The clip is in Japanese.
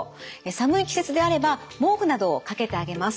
寒い季節であれば毛布などをかけてあげます。